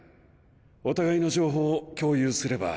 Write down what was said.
お互いの情報を共有すれば。